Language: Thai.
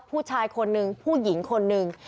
ผู้ชายคนนึงผู้หญิงคนหนึ่ง